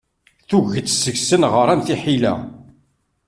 Tuget deg-sen ɣṛan tiḥila.